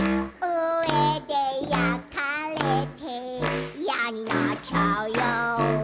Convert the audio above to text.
「うえで焼かれていやになっちゃうよ」